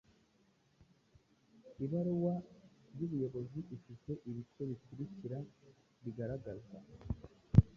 Ibaruwa y’ubuyobozi ifite ibice bikurikira bigaragaza